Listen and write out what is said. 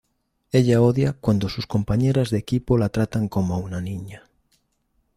Ella odia cuando sus compañeras de equipo la tratan como una niña.